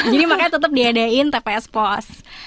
jadi makanya tetap diadain tps pos